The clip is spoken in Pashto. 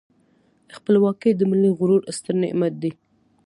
خپلواکي د ملي غرور ستر نعمت دی.